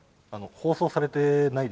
放送されてないの？